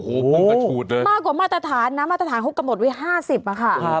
โอ้โหพุ่งกระฉูดเลยมากกว่ามาตรฐานนะมาตรฐานเขากำหนดไว้๕๐อะค่ะ